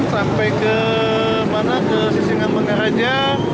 sampai ke mana ke sisingan banggaraja